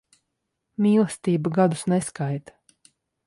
Mīlestība gadus neskaita.